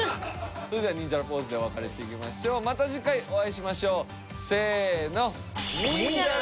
それではニンジャラポーズでお別れしていきましょうまた次回お会いしましょうせの。